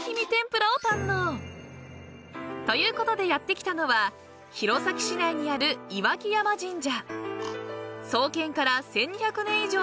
［ということでやって来たのは弘前市内にある岩木山神社］